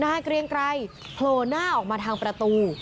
เกรียงไกรโผล่หน้าออกมาทางประตู